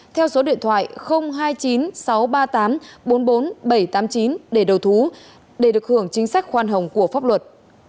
theo số điện thoại hai chín sáu ba tám bốn bốn bảy tám chín để đầu thú để được hưởng chính sách khoan hồng của pháp luật